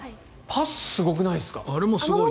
パス、すごくないですか？